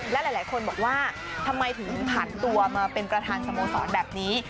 และหลายคนบอกว่าทำไมถึงผ่านตัวมาเป็นประธานสโมสรแบบนี้